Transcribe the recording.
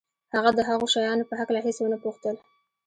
هغه د هغو شیانو په هکله هېڅ ونه پوښتل